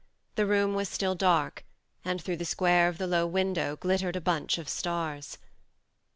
The room was still dark, and through the square of the low window glittered a bunch of stars.